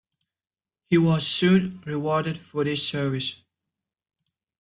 He was soon rewarded for this service.